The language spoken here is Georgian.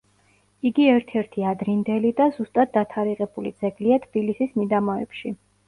იგი ერთ-ერთი ადრინდელი და ზუსტად დათარიღებული ძეგლია თბილისის მიდამოებში.